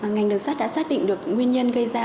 ngành đường sát đã xác định được nguyên nhân gây ra